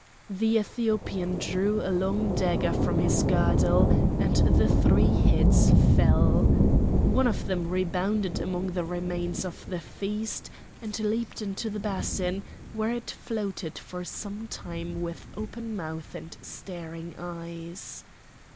The Ethiopian drew a long dagger from his girdle and the three heads fell. One of them rebounded among the remains of the feast, and leaped into the basin, where it floated for some time with open mouth and staring eyes.